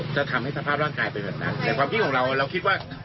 จะทำให้สภาพร่างกายเป็นแบบนั้นแต่ความคิดของเราเราคิดว่า